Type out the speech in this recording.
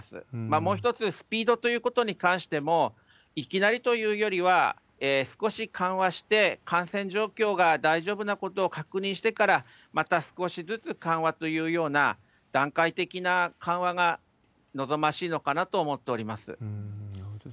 もう一つ、スピードということに関しても、いきなりというよりは、少し緩和して、感染状況が大丈夫なことを確認してから、また少しずつ緩和というような段階的な緩和が望ましいのかなと思っております。